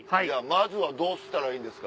まずはどうしたらいいんですか？